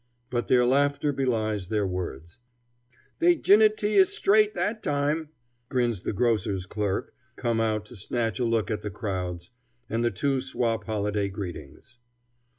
But their laughter belies their words. "They gin it to ye straight that time," grins the grocer's clerk, come out to snatch a look at the crowds; and the two swap holiday greetings.